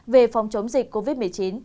về phòng chống dịch covid một mươi chín